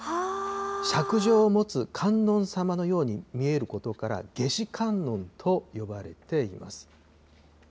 しゃくじょうを持つ観音様のように見えることから、夏至観音と呼ばれています。